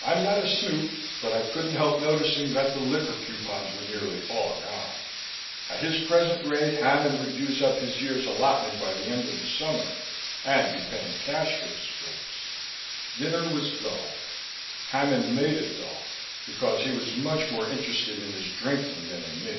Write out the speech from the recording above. I am not a snoop, but I couldn't help noticing that the liquor coupons were nearly all gone; at his present rate, Hammond would use up his year's allotment by the end of the summer, and be paying cash for his drinks. Dinner was dull. Hammond made it dull, because he was much more interested in his drinking than in me.